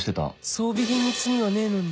装備品に罪はねえのに